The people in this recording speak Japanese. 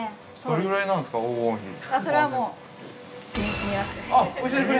どれぐらいなんですか、黄金比。